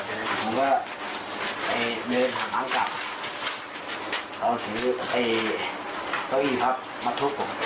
ผมก็เดินหามาร์มกลับเอาสิ่งที่เขาอีกครับมาทุกข์ผม